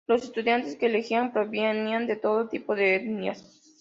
Los estudiantes que elegía provenían de todo tipo de etnias.